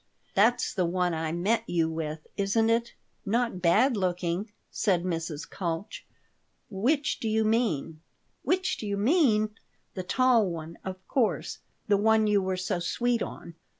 "That's the one I met you with, isn't it? Not bad looking," said Mrs. Kalch "Which do you mean?" "'Which do you mean'! The tall one, of course; the one you were so sweet on.